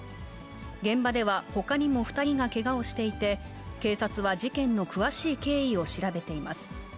現場ではほかにも２人がけがをしていて、警察は事件の詳しい経緯を調べています。